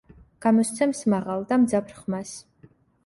გამოსცემს მაღალ და მძაფრ ხმას.